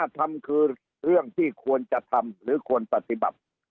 ทำคือเรื่องที่ควรจะทำหรือควรปฏิบัติ